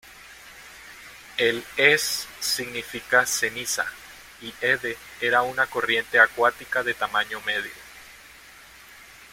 El "es" significa "ceniza" y "Ede" era una corriente acuática de tamaño medio.